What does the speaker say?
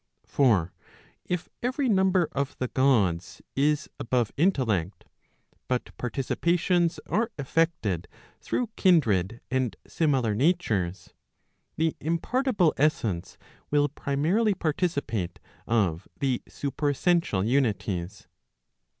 For if every number of the Gods is above intellect, but participations are effected through kindred and similar natures, the impartible essence will primarily participate of the supercssential unities.